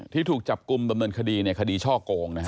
ที่ถูกจับกลุ่มประเมินคดีเนี่ยคดีช่อโกงนะครับ